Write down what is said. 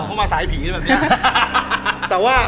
ผมก็มาทางสายผีด้วยแบบนี้